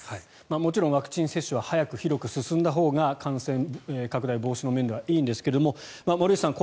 もちろん、ワクチン接種は早く広く進んだほうが感染拡大防止の面ではいいんですが森内さん